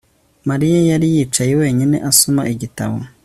Mariya yari yicaye wenyine asoma igitabo